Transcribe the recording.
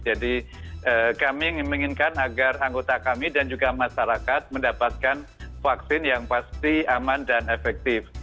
jadi kami menginginkan agar anggota kami dan juga masyarakat mendapatkan vaksin yang pasti aman dan efektif